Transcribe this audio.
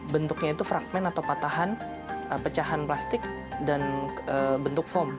bentuknya itu fragment atau patahan pecahan plastik dan bentuk foam